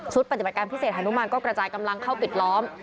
ปฏิบัติการพิเศษฮานุมานก็กระจายกำลังเข้าปิดล้อม